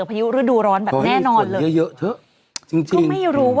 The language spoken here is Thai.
พายุฤดูร้อนแบบแน่นนอนในเยอะเฉะจริงจริงไม่รู้ว่า